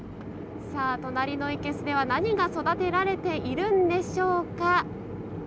さあ、隣のいけすでは何が育てられているんでしょうか。